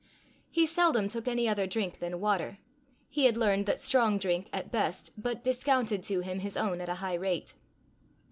He seldom took any other drink than water: he had learned that strong drink at best but discounted to him his own at a high rate.